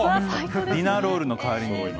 ディナーロールの代わりに。